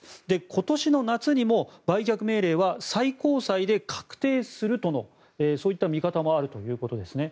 今年の夏にも売却命令は最高裁で確定するとのそういった見方もあるということですね。